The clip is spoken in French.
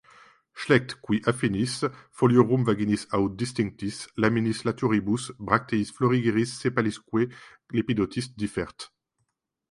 Schlecht., cui affinis, foliorum vaginis haud distinctis, laminis latioribus, bracteis florigeris sepalisque lepidotis differt.